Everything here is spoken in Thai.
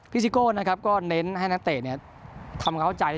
ซิโก้นะครับก็เน้นให้นักเตะทำเข้าใจ